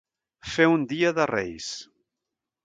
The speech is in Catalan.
Fer un dia de reis.